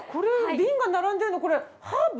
瓶が並んでるのこれハーブ？